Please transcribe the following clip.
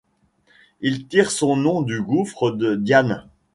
Il tire son nom du gouffre de Diane.